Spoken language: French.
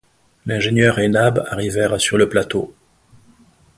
L’ingénieur et Nab arrivèrent sur le plateau